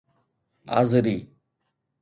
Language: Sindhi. آذري